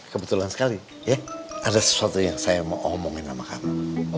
kebetulan sekali ya ada sesuatu yang saya mau omongin sama kamu